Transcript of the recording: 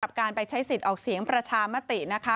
การไปใช้สิทธิ์ออกเสียงประชามตินะคะ